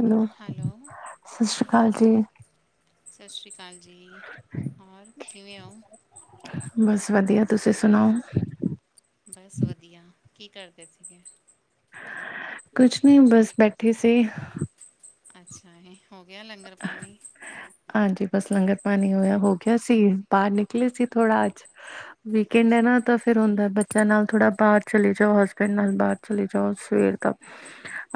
Hello ਸਾਸ਼੍ਰੀ ਕਾਲ ਜੀ। ਸਾਸ਼੍ਰੀ ਕਾਲ ਜੀ, ਹੋਰ ਕਿਵੇਂ ਓ? ਬੱਸ ਵਧੀਆ, ਤੂਸੀ ਸੁਨਾਓ? ਬੱਸ ਵਧੀਆ ਕੀ ਕਰਦੇ ਸੀਗੇ? ਕੁੱਛ ਨੀ ਬਸ ਬੈਠੀ ਸੀ। ਅੱਛਾ ਹੀ, ਹੋ ਗਯਾ ਲੰਗਰ ਪਾਨੀ? ਹਾਂਜੀ, ਬਸ ਲੰਗਰ ਪਾਨੀ ਹੋਏਆ, ਹੋ ਗਯਾ ਸੀ ਬਾਰ ਨਿਕਲੇ ਸੀ ਥੋੜਾ ਅੱਜ ਵੀਕਐਂਡ ਐ ਅੱਛਾ। ਨਾ ਤਾਂ ਫ਼ਿਰ ਹੁੰਦੈ ਬ ਬਚੇਆਂ ਨਾਲ ਥੋੜਾ ਬਾਰ ਚਲੇ ਜਾਓ, ਹਸਬੈਂਡ ਨਾਲ ਬਾਰ ਚਲੇ ਜਾਓ ਸਵੇਰ ਦਾ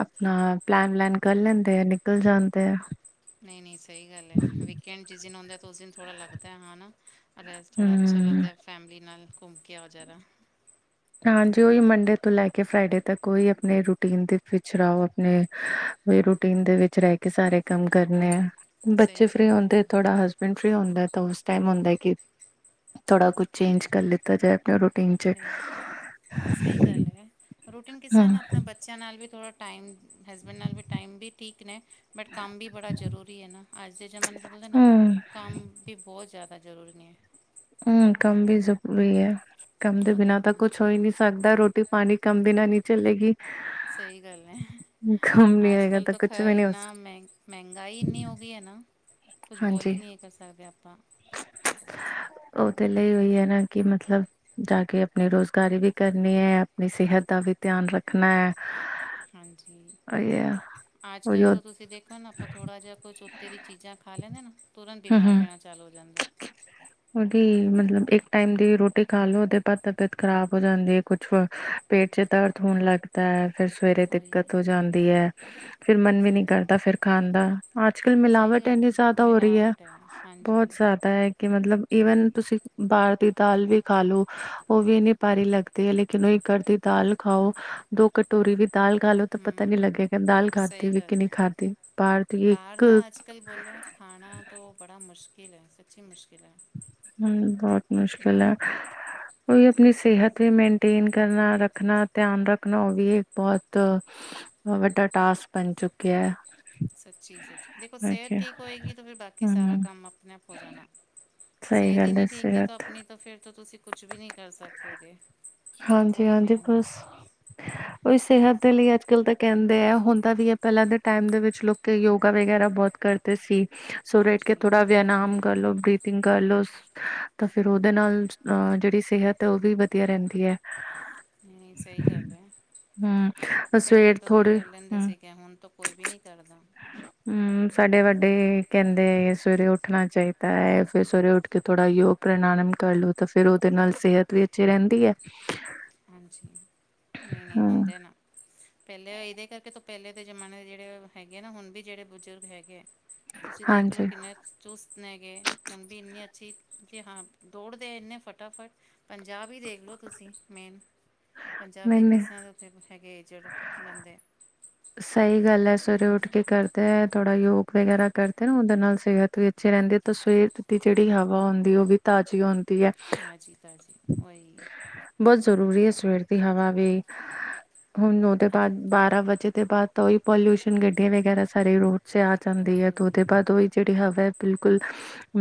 ਅਪਨਾ ਪਲੈਨ-ਵਲੈਨ ਕਰ ਲੈਂਦੇ ਐ, ਨਿਕਲ ਜਾਂਦੇ ਐ। ਨਈ-ਨਈ ਸਈ ਗਾੱਲ ਏ, ਵੀਕੈਂਡ ਜਿਸ ਦਿਨ ਹੁੰਦਾ ਤੇ ਉਸ ਦਿਨ ਥੋੜਾ ਲੱਗਦੈ ਹਾ ਨਾ ਰੈਸਟ ਥੋੜਾ ਅੱਛਾ ਹੂੰ। ਲਗਦੈ, ਫੈਮਿਲੀ ਨਾਲ ਕੁੰਮ ਕੇ ਆਓ ਜਰਾ। ਹਾਂਜੀ ਓਈ ਮੰਡੇ ਤੋਂ ਲੈ ਕੇ ਫਰਾਈਡੇ ਤਕ ਓਈ ਅਪਨੇ ਰੂਟੀਨ ਦੇ ਵਿੱਚ ਰਓ ਅਪਨੇ ਓਈ ਰੂਟੀਨ ਦੇ ਵਿੱਚ ਰੈ ਕੇ ਸਾਰੇ ਕੰਮ ਕਰਨੇ ਐ, ਬੱਚੇ ਸਹੀ ਫ੍ਰੀ ਗੱਲ ਹੈ। ਹੋਂਦੇ ਥੋੜਾ ਹਸ ਬੈਂਡ ਫ੍ਰੀ ਹੁੰਦਾ ਤਾ ਉਸ ਟਾਇਮ ਹੁੰਦਾ ਐ ਕਿ ਥੋੜਾ ਕੁੱਛ ਚੇਂਜ ਕਰ ਲਿੱਤਾ ਜਾਏ ਅਪਨਾ ਰੂ ਟੀਨ ਚ ਸਈ ਗਾੱਲ ਏ, ਰੂਟੀਨ ਕਿਸ ਹਮ ਏਨਾ ਅਪਨੇ ਬੱਚੇਆਂ ਨਾਲ ਵੀ ਥੋੜਾ ਟਾਈਮ ਹਸਬੈਂਡ ਨਾਲ ਵੀ ਟਾਈਮ ਵੀ ਠੀਕ ਨੇ ਬਟ ਕੰਮ ਵੀ ਬੜਾ ਜਰੂਰੀ ਏ ਨਾ ਆੱਜ ਦੇ ਜਮਾਨੇ ਚ ਬੋਲਦੇ ਨਾ ਹਮ ਕੰਮ ਵੀ ਬੋਤ ਜਾਦਾ ਜਰੂਰੀ ਨੇ। ਹੂੰ ਕੰਮ ਵੀ ਜਰੂਰੀ ਐ, ਕੰਮ ਦੇ ਉਹ ਦੇਖ ਬਿਨਾਂ ਤਾ ਕੁੱਛ ਹੋ ਈ ਨੀ ਸਰਦਾ ਰੋਟੀ-ਪਾਨੀ ਕੰਮ ਬਿਨਾਂ ਨੀ ਚੱਲੇਗੀ। ਸਈ ਗਾੱਲ ਐ। ਕੰਮ ਨਹੀਂ ਆਏਗਾ ਅੱਜ-ਕਲ ਤਾਂ ਤੋ ਖ ਕੁਛ ਵੀ ਨਹੀਂ ਹੋ ਇੰਨਾ ਮੈਂਹ ਮੈਹੰਗਾਈ ਇੰਨੀ ਹੋ ਗਈ ਏ ਨਾ ਕੁੱਛ ਸਕਦਾ ਬੋਲ ਈ ਹਾਂਜੀ ਨਈ ਕਰ ਸਕਦੇ ਆਪਾਂ। ਓ ਤੇ ਲਈ ਓਈ ਏ ਨਾ ਕਿ ਮਤਲਬ ਜਾ ਕੇ ਅਪਨੀ ਰੋਜ਼ਗਾਰੀ ਵੀ ਕਰਨੀ ਐ ਅਪਨੀ ਸੇਹਤ ਦਾ ਵੀ ਧਿਆਨ ਰੱਖਨਾ ਹਾਂਜੀ, ਉਹੀ ਅੱਜ-ਕਲ ਉਹ- ਤਾਂ ਤੂਸੀ ਦੇਖੋ ਨਾ ਅਪਾਂ ਥੋੜਾ ਜੇਆ ਕੁੱਛ ਓ ਉਤੇ ਦੀ ਚੀਜਾਂ ਖਾ ਲੈਂਦੇ ਅ ਨਾ ਤੁਰੰਤ ਬੀਮਾਰ ਪੈਣਾ ਚਾਲੂ ਹੋ ਜਾਂਦੇ ਐ। ਉਦੀ ਮਤਲਬ ਏਕ ਟਾਈਮ ਦੀ ਰੋਟੀ ਖਾ ਲੋ, ਉਦੇ ਬਾਦ ਤਬੀਅਤ ਖ਼ਰਾਬ ਹੋ ਜਾਂਦੀ ਐ, ਕੁੱਛ ਪੇਟ ਚ ਦਰਦ ਹੋਨ ਲੱਗ ਤਾਂ ਫੇਰ ਸਵੇਰੇ ਉਹੀ ਦਿੱਕਤ ਹੋ ਜਾਂਦੀ ਐ, ਫਿਰ ਮਨ ਵੀ ਨੀ ਸਹੀ ਕਰਦਾ ਫੇਰ ਖਾਣ ਦਾ। ਅੱਜ-ਕਲ ਸਹੀ ਮਿਲਾਵਟ ਗੱਲ ਏਨੀ ਹੈ ਜਾਦਾ ਹੋ ਰੀ ਐ। ਮਿਲਾਵਟ ਹੈ ਹਾਂਜੀ ਬਹੁਤ ਜ਼ਾਦਾ ਐ, ਕਿ ਮਤਲਬ ਈਵਨ ਤੁਸੀਂ ਬਾਹਰ ਦੀ ਦਾਲ ਵੀ ਖਾ ਲੋ। ਓ ਵੀ ਇੰਨੀ ਭਾਰੀ ਲਗਦੀ ਏ। ਲ਼ੇਕਿਨ ਓਈ ਘਰ ਦੀ ਦਾਲ ਖਾਓ। ਦੋ ਕਟ ਟੋਰੀ ਵੀ ਦਾਲ ਖਾਲੋ ਤੇ ਪਤਾ ਨੀ ਹੂੰ ਲਗੇਗਾ। ਦਾਲ ਖਾਦੀ ਸਹੀ ਵੀ ਏ ਕਿ ਗੱਲ ਨੀ ਹੈ ਖਾਦੀ। ਬਾਰ ਦੀ ਇਕ ਬੋਲੇਆ ਖਾਣਾ ਤੋ ਬੜਾ ਮੁਸ਼ਕਿਲ ਏ। ਚੀ ਮੁਸ਼ਕਿਲ ਐ। ਹੂੰ, ਬੋਤ ਮੁਸ਼ਕਿਲ ਐ। ਦਾ ਓਈ ਅਪਨੀ ਸੇਹਤ ਵੀ ਮੈਂਨਟੇਨ ਕਰਨਾ। ਰਖਨਾ, ਧਿਆਨ ਰਖਨਾ ਓ ਵੀ ਇਕ ਬੋਤ ਉਹ ਵੱਡਾ ਟਾਸਕ ਬਨ ਚੁੱਕਿਆਂ। ਸੱਚੀ-ਸੱਚੀ ਦੇਖੋ, ਸੇਹਤ ਠੀਕ ਹੋਏਗੀ ਤੇ ਫੇਰ ਬਾਕੀ ਸਾਰਾ ਹੂੰ, ਕੰਮ ਅਪਨੇ ਆਪ ਹੋ ਜਾਨਾ। ਸਹੀ ਸੇਹਤ ਈ ਗੱਲ ਹੈ ਨੀ ਠੀਕ ਏ ਤੋਂ ਸਿਹਤ ਅਪਨੀ ਤੋਂ ਫਿਰ ਤੋਂ, ਤੁਸੀ ਕੁੱਛ ਵੀ ਨੀ ਕਰ ਸਕੋਗੇ। ਉਹੀ ਹਾਂਜੀ-ਹਾਂਜੀ, ਮੇਨ ਹੈ ਬਸ। [inaudible] ਓਈ ਸਿਹਤ ਦੇ ਲਈ ਅੱਜ-ਕਲ੍ਹ ਤੇ ਕੈਂਦੇ ਐ। ਹੁੰਦਾ ਵੀ ਏ, ਪੈਲਾਂ ਦੇ ਟੈਮ ਦੇ ਵਿੱਚ ਲੋਕੀ ਯੋਗਾ ਵਗ਼ੈਰਾ ਬੋਤ ਕਰ ਤੇ ਸੀ। ਸਵਰੇ ਉਠ ਕੇ ਹਾਂਜੀ ਥੋੜ੍ਹਾ ਵਿਆਨਾਮ ਕਰਲੋ, ਬ੍ਰਰੀਥਿੰਗ ਕਰਲੋ। ਸ ਤਾਂ ਫਿਰ ਓਦੇ ਨਾਲ ਅ ਜਿਹੜੀ ਸਿਹਤ ਐ, ਓ ਵੀ ਵਧੀਆ ਰੈਂਦੀ ਐ। ਹੂੰ, ਸਹੀ ਗੱਲ ਐ। ਹੂੰ, ਪੈਲੇ ਸਵੇਰ ਤੋਂ ਵੀ ਥੋੜੇ ਕਰ ਲੈਂਦੇ ਹੂੰ ਸੀਗੇ। ਹੁਨ ਤੋਂ ਕੋਈ ਵੀ ਨੀ ਕਰਦਾ। ਹੂੰ, ਸਾਡੇ ਵੱਡੇ ਕਹਿੰਦੇ ਸਵੇਰੇ ਉੱਠਣਾ ਚਾਹੀਦਾ ਏ। ਫੇਰ, ਸਵੇਰੇ ਉੱਠ ਕੇ ਥੋੜ੍ਹਾ ਯੋਗ ਪ੍ਰਨਾਂਨੰਮ ਕਰਲੋ ਤਾਂ ਫੇਰ, ਉਹਦੇ ਨਾਲ ਸਿਹਤ ਵੀ ਅੱਛੀ ਰਹਿੰਦੀ ਐ। ਹਾਂਜੀ। ਨਹੀਂ-ਨਹੀਂ ਹੁੰਦੇ ਨਾ। ਪਹਿਲੇ ਇਹਦੇ ਕਰਕੇ ਤੋਂ ਪਹਿਲੇ ਦੇ ਜਮਾਨੇ ਦੇ ਜਿਹੜੇ ਹੈਗੇ ਆ ਨਾ। ਹੁਣ ਵੀ ਜਿਹੜੇ ਬਜ਼ੁਰਗ ਹੈਗੇ ਆ ਤੁਸੀਂ ਦੇਖਲੋ ਹਾਂਜੀ ਕਿੰਨੇ ਚੁਸਤ ਨੇਗੇ। ਹੁਣ ਵੀ ਇੰਨੀ ਅੱਛੀ ਜੀ ਹਾਂ, ਦੌੜਦੇ ਇੰਨੇ ਫਟਾਫਟ। ਪੰਜਾਬ ਈ ਦੇਖਲੋ ਤੁਸੀਂ, ਮੇਨ। ਪੰਜਾਬ ਦੇ ਨਹੀਂ-ਨਹੀਂ ਕਿਸ ਤਰ੍ਹਾਂ ਦੇ ਉੱਥੇ ਹੈਗੇ, ਏਜਡ ਬੰਦੇ। ਸਹੀ ਗੱਲ ਐ। ਸਵੇਰੇ ਉੱਠ ਕੇ ਕਰਦੇ ਐ, ਥੋੜ੍ਹਾ ਯੋਗ ਵਗ਼ੈਰਾ ਕਰਦੇ ਨਾ। ਉਹਦੇ ਨਾਲ ਸਿਹਤ ਵੀ ਅੱਛੀ ਰਹਿੰਦੀ ਤਾਂ ਸਵੇਰਤਥ ਦੀ ਜਿਹੜੀ ਹਵਾ ਹੁੰਦੀ, ਉਹ ਵੀ ਤਾਜ਼ੀ ਹੁੰਦੀ ਐ। ਤਾਜ਼ੀ-ਤਾਜ਼ੀ ਓਈ। ਬਹੁਤ ਜ਼ਰੂਰੀ ਏ ਸਵੇਰ ਦੀ ਹਵਾ ਵੀ। ਹੁਣ ਉਹਦੇ ਬਾਅਦ ਬਾਰਾਂ ਵਜੇ ਦੇ ਬਾਅਦ ਤਾਂ ਓਈ ਪੋਲਿਊਸ਼ਨ ਗੱਡੀਆਂ ਵਗ਼ੈਰਾ। ਸਾਰੇ ਰੋਡ 'ਚ ਆ ਜਾਂਦੀ ਐ ਉਹੀ ਤੇ ਉਹਦੇ ਉਹੀ ਬਾਅਦ ਓਈ, ਜਿਹੜੀ ਹਵਾ ਬਿਲਕੁਲ,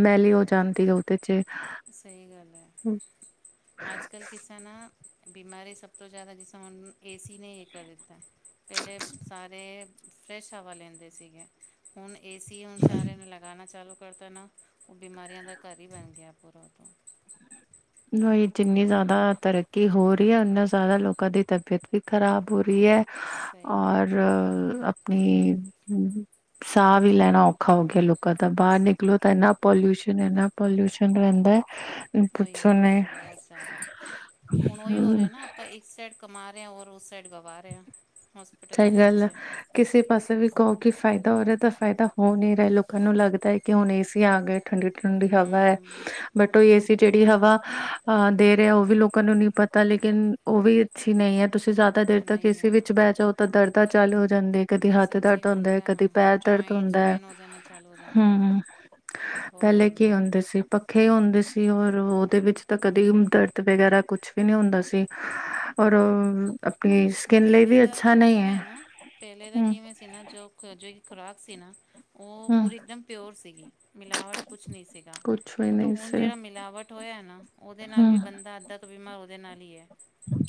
ਮੈਲ਼ੀ ਹੋ ਜਾਂਦੀ ਆ ਤੇ ਜੇ ਸਹੀ ਗੱਲ ਐ। ਅੱਜ-ਕੱਲ੍ਹ ਕਿਸੇ ਨਾ ਬਿਮਾਰੀ ਸਭ ਤੋਂ ਜ਼ਿਆਦਾ, ਜਿਸ ਤਰਾ ਹੁਨ ਏਸੀ ਨੇ, ਇਹ ਕਰ ਦਿੱਤਾ। ਪਹਿਲੇ ਸਾਰੇ, ਫਰੈਸ਼ ਹਵਾ ਲੈਂਦੇ ਸੀਗੇ। ਹੁਣ ਏਸੀ, ਹੁਣ ਸਾਰਿਆਂ ਨੇ ਲਗਾਣਾ ਚਾਲੂ ਕਰਤਾ ਨਾ। ਉਹ ਬਿਮਾਰੀਆਂ ਦਾ ਘਰ ਈ ਬਣ ਗਿਆ ਪੂਰਾ। [inaudible] ਨਈ, ਜਿੰਨੀ ਜ਼ਿਆਦਾ ਤਰੱਕੀ ਹੋ ਰਹੀ ਐ। ਓਨਾ ਜ਼ਿਆਦਾ ਲੋਕਾਂ ਦੀ ਤਬੀਅਤ ਵੀ ਖ਼ਰਾਬ ਹੋ ਰੀਐ। ਸਹੀ ਹੈ ਔਰ ਅਪਣੀ ਸਾਹ ਵੀ ਲੈਣਾ ਔਖਾ ਹੋ ਗਿਆ ਲੋਕਾਂ ਦਾ। ਬਾਹਰ ਨਿਕਲੋ ਤਾਂ ਇੰਨਾ ਪੋਲਿਊਸ਼ਨ, ਇੰਨਾ ਪੋਲਿਊਸ਼ਨ ਰਹਿੰਦਾ। ਹੈ ਪੁੱਛੋ ਉਹੀ-ਉਹੀ ਨੇ ਬਹੁਤ ਜ਼ਿਆਦਾ। ਹੁਣ ਉਹੀ ਹੋ ਰਿਹਾ ਨਾ ਆਪਾਂ ਸਾਈਡ ਕਮਾ ਰੇਆਂ। ਔਰ ਉਸ ਸਾਈਡ ਗਵਾ ਰਹੇਆ। ਸਹੀ ਗੱਲ। ਕਿਸੇ ਪਾਸੇ ਵੀ ਕ‌ੱਓ ਕਿ ਫ਼ਾਇਦਾ ਹੋ ਰਿਹਾ ਤਾਂ ਫ਼ਾਇਦਾ ਹੋ ਨੀ ਰਿਹਾ। ਲੋਕਾਂ ਨੂੰ ਲੱਗਦਾ ਏ ਕਿ ਹੁਣ ਏ ਸੀ ਆ ਗਏ ਠੰਡੀ-ਠੰਡੀ ਹਵਾਏ ਹੂੰ ਬਟ, ਓ ਉਹੀ ਏਸੀ ਜੇੜੀ ਹਵਾ ਹਾਂ ਦੇ ਰੈਆ ਓ ਵੀ ਲੋਕਾਂ ਨੂੰ ਨੀਂ ਪਤਾ ਲੇਕਿਨ, ਓ ਵੀ ਅੱਛੀ ਨੀਂ ਹੈ, ਤੁਸੀਂ ਜਾਂਦਾ ਦੇਰ ਤੱਕ ਨਹੀਂ ਏਸੀ ਹੈ ਵਿੱਚ ਬੈ ਜਾਓ ਤਾਂ ਦਰਦਾਂ ਚਾਲੂ ਹੋ ਜਾਂਦੀ ਹੈ, ਕਦੀ ਹੱਥ ਸੱਚੀ ਦਰਦ ਹੈ ਹੁੰਦਾ ਨਾ, ਕਦੀ ਪੈਰ ਦਰਦ ਜੁਆਇੰਟਸ ਹੁੰਦਾ ਹੈ ਪੇਨ ਹੋ ਜਾਂਦੇ ਚਾਲੂ ਹੋ ਜਾਂਦੇ ਆ। ਹਮ ਬੋਤ ਪਹਿਲੇ ਕੀ ਹੁੰਦੇ ਸੀ, ਪੱਖੇ ਹੁੰਦੇ ਸੀ ਔਰ ਓਹਦੇ ਵਿੱਚ ਤਾਂ ਕਦੇ ਦਰਦ ਵਗੈਰਾ ਕੁਛ ਵੀ ਨੀਂ ਹੁੰਦਾ ਸੀ। ਔਰ ਅਪਣੀ ਸਕਿਨ ਲਈ ਪਹਿਲੇ ਵੀ ਦਾ ਅੱਛਾ ਕਿਵੇਂ ਨਹੀਂ ਹੈ ਨਾ, ਪੈਲੇ ਦਾ ਹਮ ਕਿਵੇਂ ਸੀ ਨਾ, ਜੋ ਜੋ ਖੁਰਾਕ ਸੀ ਨਾ ਓ ਹਮ ਪੂਰੀ ਇੱਕਦਮ ਪਿਓਰ ਸੀਗੀ, ਮਿਲਾਵਟ ਕੁਛ ਨਈਂ ਸੀਗਾ। ਕੁਛ ਵੀ ਤੇ ਨਹੀਂ ਹੁਣ ਸੀ ਜੇੜਾ ਮਿਲਾਵਟ ਹੋਇਆ ਨਾ, ਓਦੇ ਨਾਲ ਵੀ ਹਮ ਬੰਦਾ ਅੱਧ ਬੀਮਾਰ ਓਦੇ ਨਾਲ ਹੀਏ।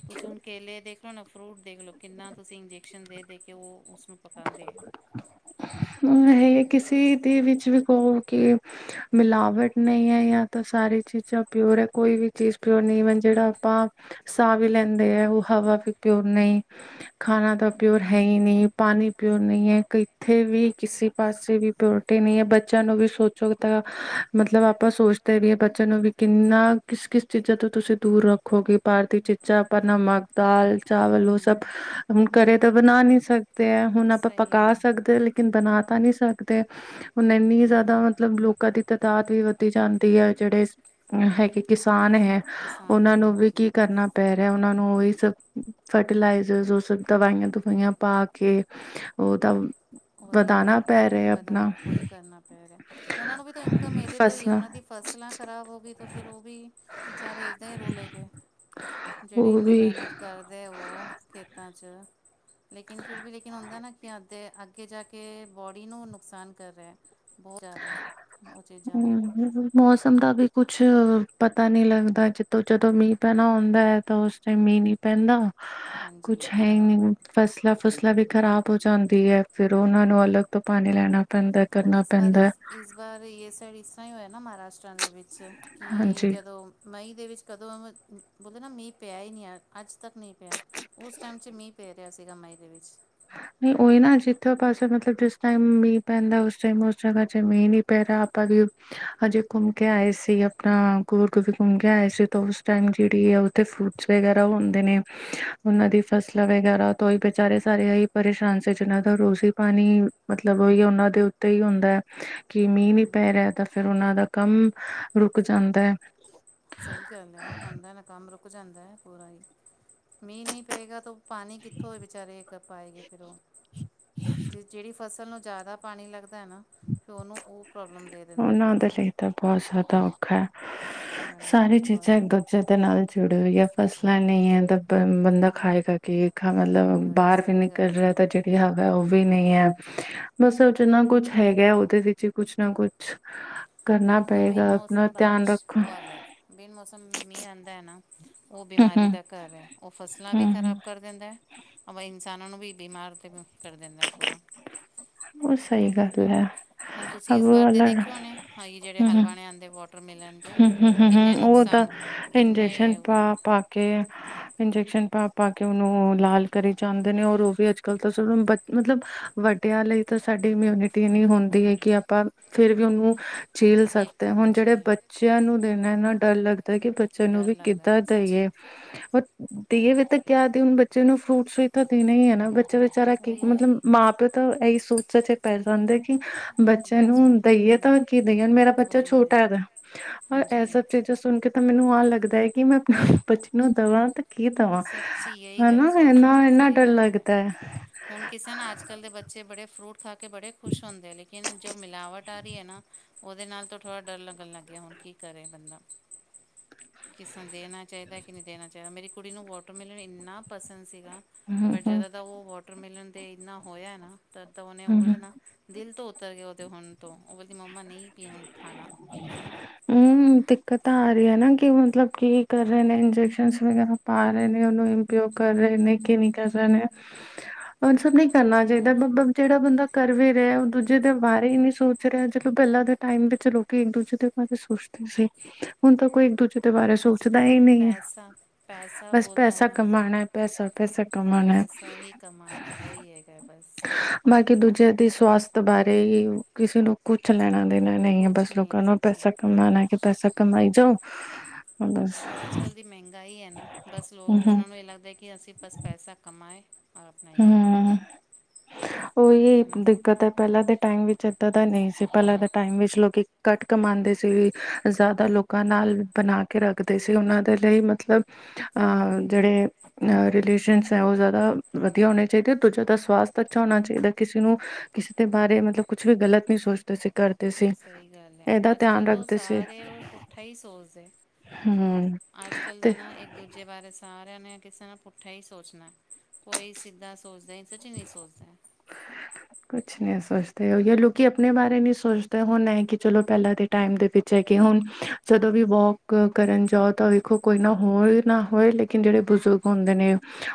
ਤੁਸੀਂ ਹੁਣ ਕੇਲੇ ਦੇਖ ਲਓ ਨਾ ਫਰੂਟ ਦੇਖ ਲਓ ਕਿੰਨਾ ਤੁਸੀਂ ਇੰਜੈਕਸ਼ਨ ਦੇ-ਦੇ ਕੇ ਓ ਉਸਨੂੰ ਪਕਾਉਂਦੇਆਂ। ਏਹੀ ਕਿਸੇ ਦੇ ਵਿੱਚ ਵੀ ਕਹੋ ਕਿ ਮਿਲਾਵਟ ਨਈਂ ਐ ਯਾ ਤਾਂ ਸਾਰੀ ਚੀਜ਼ਾਂ ਪਿਓਰ ਹੈ ਕੋਈ ਵੀ ਚੀਜ਼ ਪਿਓਰ ਨਈਂ, ਜੇੜਾ ਆਪਾਂ ਸਾਹ ਵੀ ਲੈਂਦੇਆਂ, ਓ ਹਵਾ ਵੀ ਪਿਓਰ ਨਈਂ। ਖਾਣਾ ਤਾਂ ਪਿਓਰ ਹੂੰ ਹੈ ਹੀ ਨਈ, ਪਾਣੀ ਪਿਓਰ ਨਈਂ ਹੈ ਕਈ ਇੱਥੇ ਵੀ ਕਿਸੇ ਪਾਸੇ ਵੀ ਪਿਓਰਟੀ ਨਈਂ ਐ। ਬੱਚੇਆਂ ਨੂੰ ਵੀ ਸੋਚੋ ਤਾਂ ਮਤਲਬ ਆਪਾਂ ਸੋਚ ਤੇ ਵੀ ਐ ਬੱਚਿਆਂ ਨੂੰ ਵੀ ਕਿੰਨਾ ਕਿਸ-ਕਿਸ ਚੀਜ਼ਾਂ ਤੋਂ ਤੁਸੀਂ ਦੂਰ ਰੱਖੋਗੇ। ਬਾਹਰ ਦੀ ਚੀ ਜਾਂ ਆਪਾਂ ਨਮਕ, ਦਾਲ, ਚਾਵਲ ਓ ਸਭ, ਹੂੰ ਘਰੇ ਤਾਂ ਬਣਾ ਨਈਂ ਸਕਦੇ। ਤੇ ਹੁਣ ਆਪਾਂ ਸਹੀ ਪਕਾ ਹੈ ਸਕਦੇ ਆਂ ਲੇਕਿਨ ਬਣਾ ਤਾਂ ਨਈਂ ਸਕਦੇ। ਹੁਣ ਏਨੀ ਜਾਦਾ ਹਮ ਮਤਲਬ ਲੋਕਾਂ ਦੀ ਤਾਦਾਦ ਵੀ ਵੱਧੀ ਜਾਂਦੀਏ, ਜੇੜੇ ਹੈਗੇ ਕਿਸਾਨ ਹੈ, ਕਿਸਾਨ ਓਨਾਂ ਹੈਗੇ ਨੂੰ ਵੀ ਹਾਂਜੀ ਕੀ ਕਰਨਾ ਪੈ ਰੇਆ ਓਨਾਂ ਨੂੰ ਓਹੀ ਸਭ ਫਰਟੀਲਾਈਜ਼ਰ ਓਹ ਸਭ ਦਵਾਈਆਂ ਦਵਾਈਆਂ ਪਾ ਕੇ ਓਤਾਂ ਓਈ ਓਈ ਬਨਾਣ ਓਈ ਕਰਨਾ ਪੈ ਰੇਆ। ਓਨਾਂ ਨੂੰ ਵੀ ਤਾਂ ਇਨਕਮ ਏਦੇ ਤੋਂ ਹੀਏ। ਫਸਲਾਂ ਓਨਾਂ ਦੀ ਫਸਲਾਂ ਖਰਾਬ ਹੋ ਗਈ ਤੇ ਫਿਰ ਓਵੀ ਵਿਚਾਰੇ ਏਦਾਂ ਹੀ ਰੁਲੇਗੇ। ਜੇੜੀ ਉਹ ਇੰਨੀ ਵੀ ਮਿਹਨਤ ਕਰਦੇ, ਓ। ਖੇਤਾਂ ਚ ਲੇਕਿਣ ਫਿਰ ਵੀ ਲੇਕ ਹੁੰਦਾ ਨਾ, ਕਿ ਅੱਧ ਅ ਕੇ ਜਾ ਕੇ ਬੋਡੀ ਨੂੰ ਨੁਕਸਾਨ ਕਰਦੈ, ਬਹੋਤ ਜਾਦਾ ਓ ਚੀਜਾ। ਹਮ ਮੌਸਮ ਦਾ ਵੀ ਕੁਛ ਪਤਾ ਨਈਂ ਲੱਗਦਾ, ਜਦੋਂ ਜਦੋਂ ਮੀਂਹ ਪੈਣਾ ਹੋਂਦਾ ਤਾਂ ਓਸ ਟੈਮ ਮੀਂਹ ਨੀ ਪੈਂਦਾ, ਹਾਂਜੀ ਕੁਛ ਹੈ ਹੀ ਨੀ ਬਰਾਬਰ ਫਸਲ ਫਸਲਾਂ ਵੀ ਖਰਾਬ ਹੋ ਜਾਂਦੀ ਏ, ਫੇਰ ਓਨਾਂ ਨੂੰ ਅਲੱਗ ਤੋਂ ਪਾਣੀ ਲੈਣਾ ਪੈਂਦਾ ਕਰਨਾ ਪਰ ਪੈਂਦਾ ਇਸ ਹੈ। ਇਸ ਵਾਰ ਇਸ ਸਾਈਡ ਇਸ ਤਰ੍ਹਾਂ ਹੀ ਹੋਇਆ ਨਾ ਮਹਾਰਾਸ਼ਟਰਾਂ ਦੇ ਵਿੱਚ ਕਿ ਹਾਂਜੀ ਜਦੋਂ ਮਈ ਦੇ ਵਿੱਚ ਕਦੋਂ ਬੋਲਦੇ ਨਾ ਮੀਂਹ ਪਿਆ ਹੀ ਨਈਂ, ਆ ਅੱਜ ਤੱਕ ਨੀਂ ਪੇਆ। ਉਸ ਟਾਈਮ ਚ ਮੀਂਹ ਪੈ ਰੇਆ ਸੀਗਾ, ਮਈ ਦੇ ਵਿੱਚ। ਨੀਂ ਓਹੀ ਨਾ ਜਿੱਥੇ ਪਾਸੇ ਮਤਲਬ ਜਿਸ ਟੈਮ ਮੀਂਹ ਪੈਂਦਾ, ਉਸ ਟਾਈਮ ਉਸ ਜਗ੍ਹਾ ਚ ਮੀਂਹ ਨੀਂ ਪੈਰਾ ਆਪਾਂ ਵੀ ਹਜੇ ਘੁੰਮ ਕੇ ਆਏ ਸੀ, ਅਪਣਾ ਗੁਰਕੀ ਘੁੰਮ ਕੇ ਆਏ ਸੀ ਤਾਂ ਉਸ ਟਾਈਮ ਜੇੜੀ ਆ ਉਥੇ ਫਰੂਟਸ ਵਗੈਰਾ ਹੁੰਦੇ ਨੇ ਉਂਨਾਂ ਦੀ ਫਸਲਾਂ ਵਗੈਰਾ ਤੋਂ ਹੀ ਬੇਚਾਰੇ ਸਾਰੇ ਹੀ ਪਰੇਸ਼ਾਨ ਸੀ ਜਿਨਾਂ ਦਾ ਰੋਜ਼ੀ ਪਾਣੀ ਮਤਲਬ ਹੀ ਉਨਾਂ ਦੇ ਉੱਤੇ ਹੀ ਹੁੰਦੈ ਕਿ ਮੀਂਹ ਨੀ ਹੂੰ ਪੈ ਰੇਆ ਤਾਂ, ਫੇਰ ਉਨਾਂ ਦਾ ਕੰਮ ਰੁਕ ਜਾਂਦੈ। ਸਈ ਗੱਲ ਐ ਹੁੰਦਾ ਨਾ ਕੰਮ ਰੁਕ ਜਾਂਦੈ, ਪੂਰਾ ਈ। ਮੀਂਹ ਨਈਂ ਪਏਗਾ ਤਾਂ ਓ ਪਾਣੀ ਕਿੱਥੋਂ ਹੋ ਬੇਚਾਰੇ ਪਾਏਗੇ, ਫੇਰ ਓਹ ਜੇ ਜੇੜੀ ਫਸਲ ਨੂੰ ਜਾਦਾ ਪਾਣੀ ਲੱਗਦੈ ਨਾ, ਤੇ ਓਹਨੂੰ ਓ ਓਨਾਂ ਦੇ ਲਈ ਤਾਂ ਬਹੋਂਤ ਜ਼ਾਦਾ ਔਖੈ, ਬੜਾ ਸਾਰੀ ਬ ਚੀਜ਼ਾਂ ਦੇ ਨਾਲ ਜੁੜੇ ਹੋਈਐ। ਫਸਲਾਂ ਨੀ ਐ ਤਾਂ ਬ ਬੰਦਾ ਖਾਏਗਾ ਕੀ? ਹਾਂ ਉਹੀ ਮਤਲਬ ਉਹੀ ਬਾਰ ਵੀ ਸਹੀ ਨਿਕਲ ਗੱਲ ਰੇਆ ਤਾਂ ਹੈ ਜੇੜੀਆ ਓਵੀ ਨਈ ਐ। ਬਸ ਜਿੰਨਾ ਕੁਛ ਹੈਗਾ ਐ ਓਦੇ ਵਿੱਚ ਕੁਛ ਨਾ ਕੁਛ ਕਰਨਾ ਇੱਕ ਤੋਂ ਬਿਨ ਪਏਗਾ। ਅਪਨਾ ਮੌਸਮ ਧੇਆਨ ਬਾਰਿਸ਼ ਰੱਖੋ। ਉਹ ਅਲੱਗ ਬਿਨ ਮੌਸਮ ਮੀਂ ਆਂਦਾ ਐ ਨਾ ਓ ਹਮ ਬਿਮਾਰੀ ਹਮ ਦਾ ਘਰ ਐ, ਓ ਫਸਲਾਂ ਵੀ ਹਮ ਹਮ ਖਰਾਬ ਕਰ ਦੇਂਦਾ ਐ। ਓਵੇਂ ਇਨਸਾਨਾਂ ਨੂੰ ਵੀ ਬਿਮਾਰ ਤੇ ਕਰ ਦੇਂਦਾ ਪੂਰਾ। ਉਹ ਸਹੀ ਠੀਕ ਏ। ਗੱਲ ਹੈ ਹੁਨ ਤੁਸੀ ਅਬ ਇਸ ਵਾਰ ਦੇ ਅਲਰ ਦੇਖੇ ਹੋਣੇ। ਹਾਂ ਏ ਜੇੜੇ ਹਲਵਾਣੇ ਆਂਦੇ ਵੋਟਰ ਮੇਲਨ। ਹੂਂ ਹੂਂ ਹੂੰ ਹੂੰ, ਓ ਤਾਂ ਕਿੰਨੇ ਇੰਜੈਕਸ਼ਨ ਇਹ ਪਾ ਹੋਏ ਪਾ ਕੇ ਇੰਜੈਕਸ਼ਨ ਪਾ ਪਾ ਕੇ ਓਨੂੰ ਲਾਲ ਕਰੀ ਜਾਂਦੇ ਨੇ ਔਰ ਓ ਵੀ ਅੱਜਕੱਲ ਤਾਂ ਚਲੋ ਬਚ ਮਤਲਬ ਵੱਡੇਆਂ ਲਈ ਤਾਂ ਸਾਡੀ ਇਮਿਊਨਿਟੀ ਏਨੀ ਹੁੰਦੀ ਐ ਕਿ ਆਪਾਂ ਫੇਰ ਵੀ ਓਨੂੰ ਝੀਲ ਇੱਕ ਸਕਦੇ। ਹੁਣ ਜੇੜੇ ਹਾਂਜੀ ਬੱਚੇਆਂ ਨੂੰ ਦੇਣਾ ਐਨਾ ਡਰ ਲੱਗ ਕਿ ਬੱਚੇ ਨੂੰ ਡਰ ਵੀ ਲੱਗਦਾ ਕਿੱਦਾਂ ਸੱਚੀ ਦੇਈਏ? ਦੇਈਏ ਵੀ ਤਾ ਕਯਾ ਦੇ ਹੁਣ ਬੱਚੇ ਨੂੰ ਫਰੂਟਸ ਵੀ ਤਾ ਦੇਣੇ ਈ ਐਨਾ ਬੱਚਾ ਵਿਚਾਰਾ ਕੀ, ਉਹੀ ਮਤਲਬ ਉਹੀ ਮਾਂ ਪੇਓ ਤਾਂ ਐ ਸੋਚਾਂ ਚ ਪੈ ਜਾਂਦੇ ਬੱਚੇ ਨੂੰ ਦੇਈਏ ਤਾਂ ਕੀ ਦੇਈਏ? ਹੁਨ ਮੇਰਾ ਬੱਚਾ ਉਹੀ ਛੋਟਾ ਉਹੀ ਹੈਗਾ ਐ। ਔਰ ਹਾਂਜੀ ਐਸਾ ਜਾਂ ਸੁਣ ਕੇ ਤਾਂ ਮੈਨੂੰ ਆ ਲੱਗਦਾ ਐ ਕਿ ਮੈਂ ਅਪਨੇ ਬੱਚੇ ਨੂੰ ਦਵਾਂ ਤੇ ਕੀ ਦਵਾਂ ਸੱਚੀ ਇਹੀ ਗੱਲ ਹਨਾ, ਐਨਾ ਐਨਾ ਡਰ ਲਗਦਾ ਐ। ਹੁਨ ਕਿਸੇ ਨਾ ਅੱਜ ਕਲ ਦੇ ਬੱਚੇ ਬੜੇ ਫਰੂਟ ਖਾ ਕੇ ਬੜੇ ਖੁਸ਼ ਹੁੰਦੇ ਨੇ। ਜੋ ਮਿਲਾਵਟ ਆ ਰੀ ਐ ਨਾ ਓਦੇ ਨਾਲ ਤੋ ਥੋੜਾ ਡਰ ਲੱਗਣ ਲੱਗ ਗੇਆ। ਹੁਣ ਕੀ ਕਰੇ ਬੰਦਾ? ਕਿ ਸਾਨ ਦੇਣਾ ਚਾਈਦਾ ਕਿ ਨੀ ਦੇਣਾ ਚਾਈ, ਮੇਰੀ ਕੁੜੀ ਨੂੰ ਵੋਟਰ ਮੇਲਨ ਇੰਨਾ ਪਸੰਦ ਸੀਗਾ ਹੂੰ ਬਟ ਹੂੰ ਜਦੋਂਦਾ ਦਾ ਓ ਵੋਟ ਟਰ ਮੇਲਨ ਤੇ ਇਨਾ ਹੋਏਆ ਨਾ ਤਦ ਦਾ ਓਨੇ ਓ ਹੂੰ ਬੋਲਦੇ ਨਾ ਦਿਲ ਤੋਂ ਉਤਰ ਗੇਆ ਓਦੇ ਹੁਨ ਤੋ, ਓ ਕੇਂਦੀ ਮੰਮਾ ਨਈ ਬੀ ਹੁਨ ਖਾਨਾ। ਹੁੰ। ਦਿੱਕਤਾਂ ਆ ਰੀ ਐ ਨਾ ਕਿ ਮਤਲਬ ਕੀ ਕਰ ਰੇ ਨੇ ਇੰਜੈਕਸ਼ਨ ਵਗੈਰਾ ਪਾ ਰੇ ਨੇ ਓਨੂੰ ਉਪਯੋਗ ਕਰ ਰਏ ਨੇ ਕਿ ਨਈ ਕਰ ਰੇ ਨੇ। ਓਨ ਸਭ ਨੀ ਕਰਨਾ ਚਾਈਦਾ ਬਬਾ ਜੇੜਾ ਬੰਦਾ ਕਰ ਵੀ ਰੇਆ ਐ ਓ ਦੂਜੇ ਦੇ ਬਾਰੇ ਈ ਨੀ ਸੋਚ ਜਦੋਂ ਪੈਲਾਂ ਦੇ ਟਾਈਮ ਵਿੱਚ ਲੋਕੀ ਇੱਕ ਦੂਜੇ ਦੇ ਬਾਰੇ ਸੋਚਦੇ ਸੀ। ਹੁਨ ਤਾਂ ਕੋਈ ਇੱਕ ਦੂਜੇ ਦੇ ਬਾਰੇ ਅੱਜ ਸੋਚਦਾ ਈ ਕੱਲ੍ਹ ਨਈ ਐ। ਪੈਸਾ ਪੈਸਾ ਬਸ ਬੋਲਦਾ ਹੈ ਪੈਸਾ ਨਾ ਕਮਾਣੈ ਪੈਸਾ ਪੈਸਾ ਕਮਾਨਾ ਪੈਸਾ ਹੀ ਕਮਾਉਣਾ ਹੈ ਵਹੀ ਹੈਗਾ ਬਸ ਐ। ਬਾਕੀ ਦੂਜੇਆਂ ਦੀ ਸਵਾਸਥ ਬਾਰੇ ਕਿਸੇ ਨੂੰ ਕੁੱਛ ਲੈਣਾ ਦੇਣਾ ਨਈ ਏ। ਕੁਛ ਬਸ ਨਹੀਂ ਹੈ ਲੋਕਾਂ ਨੂੰ ਸੱਚੀ ਹੈ। ਪੈਸਾ ਕਮਾਨਾ ਐ ਕਿ ਪੈਸਾ ਕਮਾਈ ਜਾਓ। ਬਸ ਜੋ ਅੱਜ ਕੱਲ ਦੀ ਮੈਹੰਗਾਈ ਐ ਨਾ, ਬਸ ਲੋ ਹਮ ਹਮ ਓਨਾਂ ਨੂੰ ਏ ਲੱਗਦਾ ਕਿ ਅਸੀ ਬਸ ਪੈਸਾ ਕਮਾਏ। ਔਰ ਆਪਣਾ ਇਹ ਕਰੇ ਹੂੰ। ਬਸ ਓਈ ਕਿਤੇ ਨਾ ਕਿਤੇ ਦਿੱਕਤ ਐ। ਪੈਲਾਂ ਦੇ ਟਾਈਮ ਵਿੱਚ ਏਦਾਂ ਦਾ ਨੀ ਸੀ। ਪੈਲਾਂ ਦੇ ਟਾਈਮ ਵਿੱਚ ਲੋਕੀ ਘੱਟ ਕਮਾਂਦੇ ਸੀ ਜਾਦਾ ਲੋਕ ਲੋਕਾਂ ਨਾਲ ਬਨਾ ਕੇ ਰੱਖਦੇ ਸੀ। ਓਨਾਂ ਦੇ ਲਈ ਮਤਲਬ ਅ ਜੇੜੇ ਰਿਲੇਸ਼ਨਸ ਐ ਓ ਜਾਦਾ ਵਧੀਆ ਹਾਂਜੀ ਹੋਨੇ ਚਾਈਦੇ। ਤੋ ਜਾਦਾ ਸਵਾਸਥ ਅੱਛਾ ਹੋਣਾ ਚਾਈਦਾ। ਕਿਸੇ ਨੂੰ ਕਿਸੇ ਦੇ ਬਾਰੇ ਮਤਲਬ ਕੁੱਛ ਵੀ ਗਲਤ ਨੀ ਸੋਚਦੇ ਸੀ। ਕਰਦੇ ਸੀ ਸਈ ਗੱਲ ਐ। ਇਹਦਾ ਅੱਜ ਕੱਲ ਧਿਆਨ ਤੋ ਰੱਖਦੇ ਸਾਰੇ ਓ ਪੁੱਠਾ ਈ ਸੋਚਦੇ। ਹੂੰ। ਅੱਜ ਕੱਲ੍ਹ ਦਾ ਤੇ ਨਾ ਇੱਕ ਦੂਜੇ ਬਾਰੇ ਸਾਰੇਆਂ ਨੇ ਕਿਸੇ ਨਾ ਪੁੱਠਾ ਈ ਸੋਚਨਾ ਐ। ਕੋਈ ਸਿੱਧਾ ਸੋਚਦਾ ਈ ਸੱਚੀ ਨੀ ਸੋਚਦੇ। ਕੁੱਛ ਨੀ ਸੋਚਦੇ। ਓਈਓ ਲੋਕੀ ਅਪਣੇ ਬਾਰੇ ਨੀ ਸੋਚਦੇ ਹੁਨ ਐ ਕਿ ਚਲੋ ਪੈਲਾਂ ਤੇ ਟਾਈਮ ਦੇ ਵਿੱਚ ਐ ਕਿ ਹੁਨ ਜਦੋਂ ਵੀ ਵੋਕ ਕਰਨ ਜਾਓ ਤਾਂ ਵੇਖੋ ਕੋਈ ਨਾ ਹੋਏ ਨਾ ਹੋਏ ਲੇ ਕਿਨ ਜਿਹੜੇ ਬਜ਼ੁਰਗ ਹੁੰਦੇ ਨੇ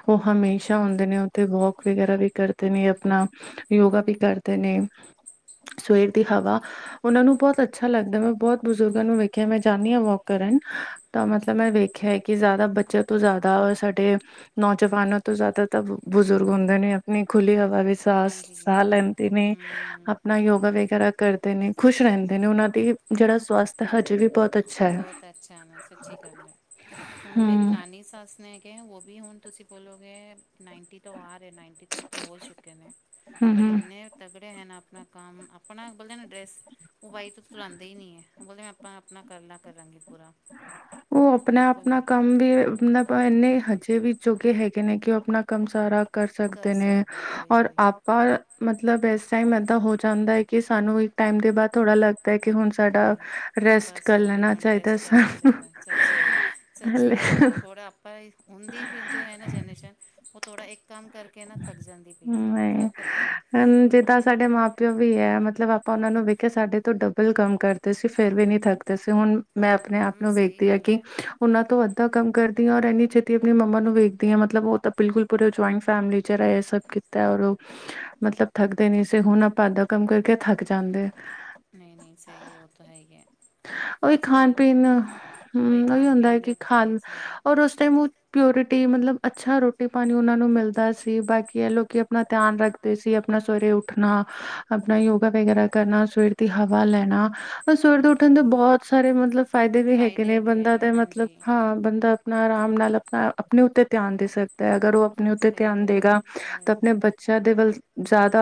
ਉਹ ਹਮੇਸ਼ਾ ਹੁੰਦੇ ਨੇ ਉੱਥੇ ਵੋਕ ਵਗੈਰਾ ਵੀ ਕਰਦੇ ਨੇ ਅਪਨਾ ਯੋਗਾ ਵੀ ਕਰਦੇ ਨੇ, ਸਵੇਰ ਦੀ ਹਵਾ ਹਾਂਜੀ ਉਨਾਂ ਨੂੰ ਬੋਤ ਅੱਛਾ ਲੱਗਦਾ ਮੈਂ ਬੋਤ ਬਜ਼ੁਰਗਾਂ ਨੂੰ ਵੇਖਿਆ ਮੈਂ ਜਾਨੀ ਆ ਵੋਕ ਕਰਨ। ਤਾਂ ਮਤਲੱਬ ਹਾਂਜੀ ਮੈਂ ਵੇਖਿਆ ਐ ਕਿ ਜਾਦਾ ਬੱਚਿਆਂ ਤੋਂ ਜਾਦਾ ਸਾਡੇ ਨੌਜਵਾਨਾਂ ਤੋਂ ਜਾਦਾ ਤਾਂ ਬਜ਼ੁਰਗ ਹੁੰਦੇ ਨੇ ਅਪਨੀ ਖੁੱਲੀ ਹਵਾ ਵਿੱਚ ਸਾਸ ਹਾਂਜੀ ਸਾਹ ਲੈਂਦੇ ਨੇ। ਹੂੰ ਅਪਨਾ ਯੋਗਾ ਵਗੈਰਾ ਕਰਦੇ ਨੇ ਖੁਸ਼ ਰਹਿੰਦੇ ਨੇ ਉਹਨਾਂ ਦੀ ਜੇੜਾ ਸਵਾਸਥ ਹੈ ਹਜੇ ਵੀ ਬੋਤ ਅੱ ਬੋਤ ਅੱਛਾ ਨਾ ਸੱਚੀ ਗੱਲ ਐ ਹੁਣ ਮੇਰੀ ਹਮ ਨਾਨੀ ਸੱਸ ਨੇ ਉਹ ਵੀ ਹੁਣ ਤੁਸੀਂ ਬੋਲੋਗੇ ਨਾਈਂਟੀ ਤੋਂ ਆ ਰਹੇ ਨਾਈਂਟੀ ਤੱਕ ਤੋਂ ਹੋ ਚੁੱਕੇ ਨੇ ਹਮ ਪਰ ਹਮ ਇੰਨੇ ਤਗੜੈ ਹੈ ਨਾ ਅਪਨਾ ਕੰਮ ਅਪਨਾ ਬੋਲਿਆ ਨਾ ਡਰੈਸ ਉਹ ਬਾਈ ਤੋਂ ਧਲਾਉਂਦੇ ਹੀ ਨੀ ਐ ਉਹ ਬੋਲ ਮੈਂ ਆਪ ਅਪਨਾ ਕਰਲਾ ਕਰਾਂਗੀ ਪੂਰਾ। ਓ ਬਿਲਕੁਲ ਅਪਨਾ-ਅਪਨਾ ਨਹੀਂ ਕੰਮ ਵੀ ਉ ਨਾ ਇੰਨੇ ਹਜੇ ਵੀ ਜੋਗੇ ਹੈਗੇ ਨੇ ਕਿ ਉਹ ਅਪਨਾ ਕੰਮ ਸਾਰਾ ਕਰ ਸਕਦੇ ਨੇ ਔਰ ਆਪ ਪਰ ਮਤਲੱਬ ਇਸ ਟਾਈਮ ਏਦਾਂ ਹੋ ਜਾਂਦਾ ਐ ਕਿ ਸਾਨੂੰ ਇੱਕ ਟਾਈਮ ਦੇ ਬਾਦ ਥੋੜਾ ਲੱਗਦਾ ਕਿ ਹੁਣ ਸਾਡਾ ਨਹੀਂ ਰੈਸਟ ਬਸ ਕਰ ਹੋ ਗਈ ਲੈਣਾ ਹੁਣ ਚਾਈ ਰੈਸਟ ਕਰਨਾ ਚਾਈਦਾ ਸੱਚੀ-ਸੱਚੀ ਹਲੇ ਗੱਲ ਏ ਥੋੜਾ ਪਰ ਹੁੰਦੀ ਜੋ ਹੈ ਨਾ ਜਨਰੇਸ਼ਨ ਉਹ ਥੋੜ੍ਹਾ ਇੱਕ ਕੰਮ ਕਰਕੇ ਨਾ ਥੱਕ ਜਾਂਦੀ ਪਈ ਏ ਥੱਕ ਜੇ ਹੁਣ ਜਿੱਦਾਂ ਸਾਡੇ ਮਾਂ ਪਿਓ ਵੀ ਐ ਮਤਲੱਬ ਆਪਾਂ ਉਹਨਾਂ ਨੂੰ ਵੇਖਿਆ ਸਾਡੇ ਤੋਂ ਡਬਲ ਕੰਮ ਕਰ ਅਸੀ ਫੇਰ ਵੀ ਨੀ ਥੱਕਦੇ ਸੀ ਹੁਣ ਮੈਂ ਅਪਨੇ ਆਪ ਹੂੰ ਨੂੰ ਸਹੀ ਵੇਖਦੀ ਆ ਗੱਲ ਕਿ ਹੈ ਉਨਾਂ ਤੋਂ ਅੱਧਾ ਕੰਮ ਕਰਦੀ ਆ ਔਰ ਇੰਨੀ ਛੇਤੀ ਆਪਣੀ ਮੰਮਾ ਨੂੰ ਵੇਖਦੀ ਹਾਂ ਮਤਲੱਬ ਉਹ ਤਾਂ ਬਿਲਕੁੱਲ ਪੂਰੇ ਜੁਆਇੰਟ ਫੈਮਿਲੀ ਚ ਰਏ ਇਹ ਸਭ ਕਿ ਕੀਤਾ ਔਰ ਉਹ ਮਤਲੱਬ ਥੱਕਦੇ ਨੀ ਸੀ ਹੁਣ ਆਪਾਂ ਅੱਧਾਂ ਕੰਮ ਕਰਕੇ ਥੱਕ ਜਾਂਦੇ। ਨਈ-ਨਈ ਸੀ ਐ ਉਹ ਤਾਂ ਹੈ ਹੀ ਐ। ਉਹੀ ਖਾਨ ਪੀਨ ਹਮ ਉਹੀ ਖਾਣ ਹੁੰਦਾ ਹੈ ਪੀਣ ਦੇ ਕਿ ਉੱਤੇ ਹੀ ਹੈ ਖਾਨ ਸਾਰਾ ਔਰ ਉਸ ਟਾਈਮ ਪਿਉਰਿਟੀ ਮਤਲੱਬ ਅੱਛਾ ਰੋਟੀ ਪਾਨੀ ਉਨਾਂ ਨੂੰ ਮਿਲ ਦਾ ਸੀ ਬਾਕੀ ਇਹ ਲੋਕੀ ਅਪਨਾ ਧਿਆਨ ਰੱਖਦੇ ਸੀ ਆਪਣਾ ਸਵੇਰੇ ਉੱਠਣਾ ਅਪਨਾ ਯੋਗਾ ਵਗੈਰਾ ਕਰਨਾ ਸਵੇਰ ਦੀ ਹਵਾ ਲੈਣਾ। ਸਵੇਰ ਤੋਂ ਉੱਠਣ ਦੇ ਹਾਂਜੀ ਬੋਹਤ ਸਾਰੇ ਮਤਲੱਬ ਫਾਇਦੇ ਵੀ ਹੈਗੇ ਨੇ ਫਾਇਦੇ ਵੀ ਬੰਦਾ ਹੈਗੇ ਦੇ ਮਤਲੱਬ ਹਾਂਜੀ ਹਾਂ ਬੰਦਾ ਅਪਨਾ ਆਰਾਮ ਨਾਲ ਅਪਨਾ ਅਪਨੇ ਉੱਤੇ ਧਿਆਨ ਦੇ ਸਕਦਾ ਹੈ ਅਗਰ ਉਹ ਤੇ ਸਹੀ ਧਿਆਨ ਗੱਲ ਹੈ ਦੇਗਾ ਉਹੀ ਤਾਂ ਅਪਨੇ ਵਹੀ ਬੱਚਿਆਂ ਦੇ ਵੱਲ ਜਾਦਾ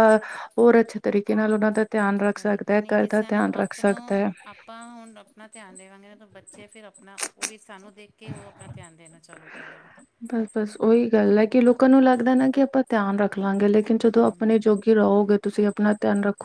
ਹੋਰ ਅੱਛੇ ਤਰੀਕੇ ਨਾਲ ਉਨਾਂ ਦਾ ਧਿਆਨ ਰੱਖ ਉਹੀ ਸਕਦਾ, ਘਰ ਦਾ ਧਿਆਨ ਰੱਖ ਸਕਦਾ। ਪਾ ਹੁਨ ਅਪਨਾ ਧਿਆਨ ਦੇਵਾਂਗੇ ਨਾ ਤਾਂ ਬੱਚੇ ਫੇਰ ਅਪਨਾ ਉਹ ਵੀ ਸਾਨੂੰ ਦੇਖ ਕੇ ਉਹ ਅਪਨਾ ਧਿਆਨ ਦੇਣਾ ਚਾਲੂ ਕਰੇਗੇ। ਬਸ-ਬਸ ਉਹੀ ਗੱਲ ਐ ਕਿ ਲੋਕਾਂ ਨੂੰ ਲੱਗਦਾ ਨਾ ਕਿ ਆਪਾਂ ਧਿਆਨ ਰੱਖ ਲਾਂਗੇ ਲੇਕਿਨ ਜਦੋਂ ਅਪਨੇ ਹਮ ਜੋਗੀ ਰਹੋਗੇ, ਤੁਸੀਂ ਅਪਨਾ ਧਿਆਨ ਰੱਖੋ